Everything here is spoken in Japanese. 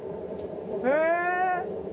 へえ。